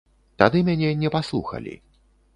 Тады мяне не паслухалі.